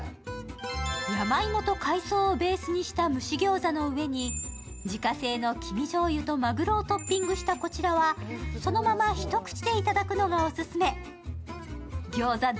山芋と海藻をベースにした蒸しギョーザの上に自家製の黄身じょう油とまぐろをトッピングしたこちらはそのまま一口で頂くのがオススメ。